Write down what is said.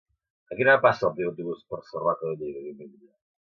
A quina hora passa el primer autobús per Sarroca de Lleida diumenge?